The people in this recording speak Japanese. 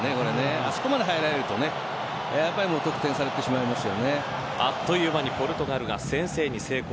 あそこまで入られるとねあっという間にポルトガルが先制に成功。